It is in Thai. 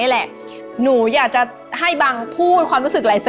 แล้วคนว่าแบบพลิกเลยมั้ยคะ